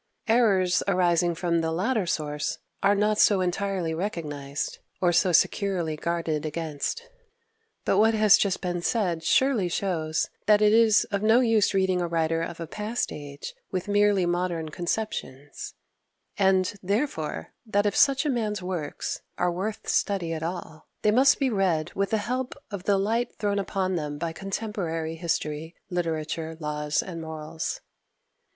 Errors arising from the latter source are not so entirely recognized, or so securely guarded against. But what has just been said surely shows that it is of no use reading a writer of a past age with merely modern conceptions; and, therefore, that if such a man's works are worth study at all, they must be read with the help of the light thrown upon them by contemporary history, literature, laws, and morals.